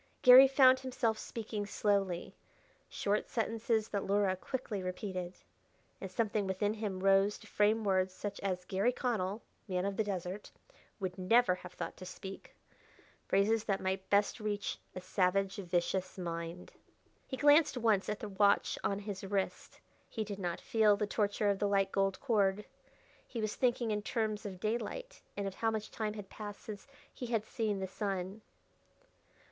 Garry found himself speaking slowly short sentences that Luhra quickly repeated. And something within him rose to frame words such as Garry Connell, man of the desert, would never have thought to speak phrases that best might reach a savage, vicious mind. He glanced once at the watch on his wrist. He did not feel the torture of the tight gold cord. He was thinking in terms of daylight, and of how much time had passed since he had seen the sun....